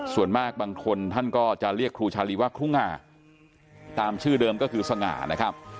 ส่วนมากบางคนท่านก็จะเรียกครูชาลีว่าครูง่าตามชื่อเดิมก็คือสง่านะครับ